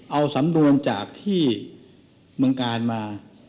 เอาสำนวนที่จากเมืองการมา